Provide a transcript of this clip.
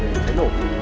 để cháy nổ